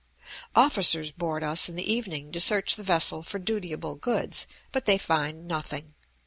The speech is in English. Officers board us in the evening to search the vessel for dutiable goods; but they find nothing.